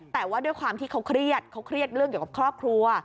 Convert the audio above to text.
แต่ว่าด้วยความที่เขาเครียดเขาเครียดเรื่องเกี่ยวกับครอบครัว